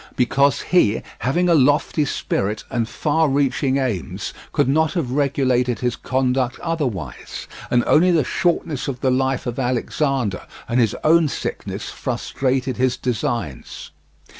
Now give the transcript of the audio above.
Because he, having a lofty spirit and far reaching aims, could not have regulated his conduct otherwise, and only the shortness of the life of Alexander and his own sickness frustrated his designs.